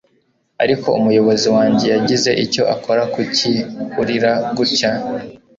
Ariko umuyobozi wanjye yagize icyo akora Kuki urira gutya